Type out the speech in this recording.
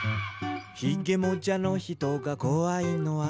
「ひげもじゃの人がこわいのは？」